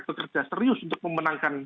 bekerja serius untuk memenangkan